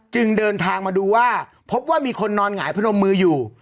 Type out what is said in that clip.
จึงเดินทางมาดูว่าพบว่ามีคนนอนหงายพนมมืออยู่